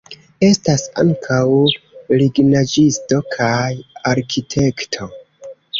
Estas ankaŭ lignaĵisto kaj arkitekto.